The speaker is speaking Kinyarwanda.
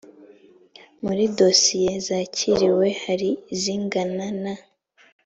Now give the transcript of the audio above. muri dosiye zakiriwe hari zingana na